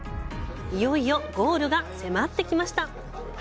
いよいよゴールが迫ってきました。